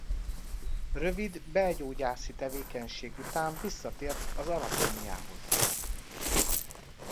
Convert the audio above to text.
Rövid belgyógyászi tevékenység után visszatért az anatómiához.